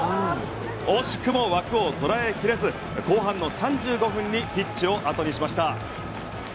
惜しくも枠を捉えきれず後半の３５分にピッチを後にしました。